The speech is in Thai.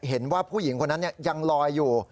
เห็นว่าผู้หญิงคนนั้นยังลอยอยู่